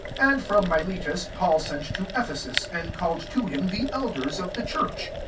17 And from Miletus Paul sent to Ephesus, and called* to him the elders of the church.